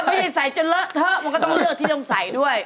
พี่ใส่จนเลาธิ์เธอก็ต้องเลือกที่ต้องใส่ด้วย